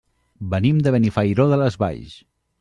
Venim de Benifairó de les Valls.